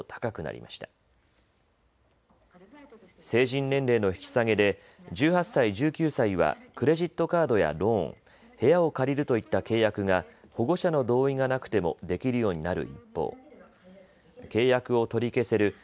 成人年齢の引き下げで１８歳、１９歳はクレジットカードやローン、部屋を借りるといった契約が保護者の同意がなくてもできるようになる一方、契約を取り消せる